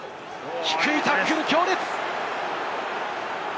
低いタックル強烈！